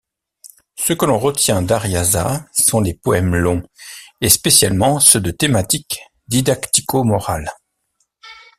Ce que l'on retient d'Arriaza sont les poèmes longs, spécialement ceux de thématique didactico-morale.